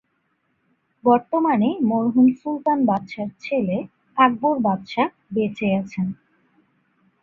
বর্তমানে মরহুম সুলতান বাদশাহর ছেলে আকবর বাদশাহ বেঁচে আছেন।